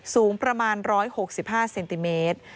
สูงประมาณ๑๖๕เซนติเมตร